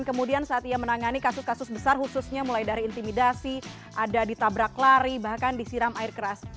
kemudian saat ia menangani kasus kasus besar khususnya mulai dari intimidasi ada ditabrak lari bahkan disiram air keras